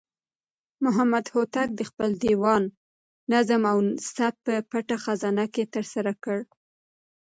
محمد هوتک د خپل دېوان نظم او ثبت په پټه خزانه کې ترسره کړ.